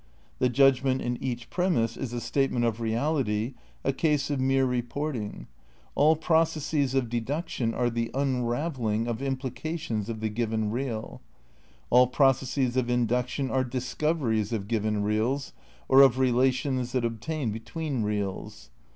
The judgment in each premise is a statement of reality, a case of mere reporting. All processes of deduction are the unravelling of implica tions of the given real ; all processes of induction are discoveries of given reals, or of relations that obtain between reals.